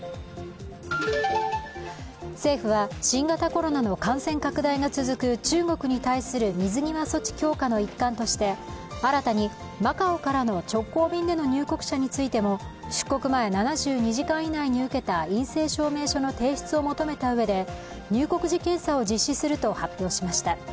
政府は、新型コロナの感染拡大が続く中国に対する水際措置強化の一環として新たにマカオからの直行便での入国者についても出国前７２時間以内に受けた陰性証明書の提出を求めたうえで入国時検査を実施すると発表しました。